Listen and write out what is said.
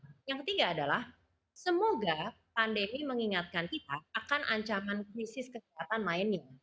jadi yang pertama adalah semoga pandemi mengingatkan kita akan ancaman krisis kesehatan lainnya